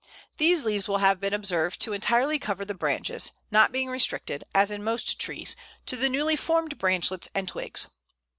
These leaves will have been observed to entirely cover the branches, not being restricted, as in most trees, to the newly formed branchlets and twigs.